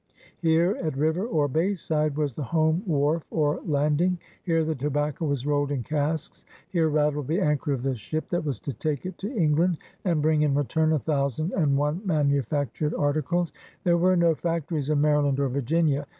Here, at river or bay side, was the home wharf or landing. Here the tobacco was rolled in casks; here rattled the anchor of the ship that was to take it to England and bring in return a thousand and one manufactured articles. There were no fac tories in Maryland or Virginia.